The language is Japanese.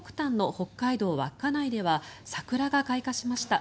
北海道稚内では桜が開花しました。